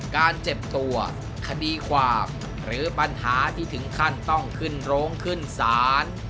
เจ็บตัวคดีความหรือปัญหาที่ถึงขั้นต้องขึ้นโรงขึ้นศาล